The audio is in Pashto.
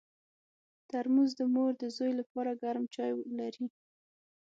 ترموز د مور د زوی لپاره ګرم چای لري.